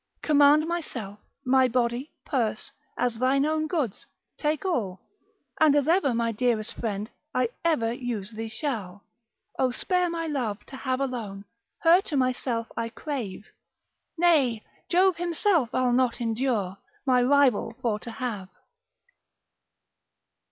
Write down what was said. Command myself, my body, purse, As thine own goods take all, And as my ever dearest friend, I ever use thee shall. O spare my love, to have alone Her to myself I crave, Nay, Jove himself I'll not endure My rival for to have.